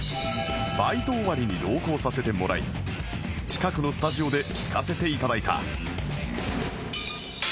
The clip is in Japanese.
バイト終わりに同行させてもらい近くのスタジオで聴かせて頂いた